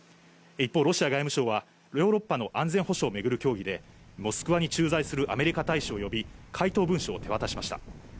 一方、ロシア外務省はヨーロッパの安全保障をめぐる協議で、モスクワに駐在するアメリカ大使を呼び、回答文章を手渡しました。